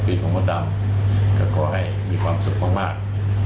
ของมดดำก็ขอให้มีความสุขมาก